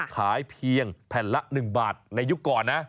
ขายเพียงแผ่นละ๑บาทในยุคก่อนนะ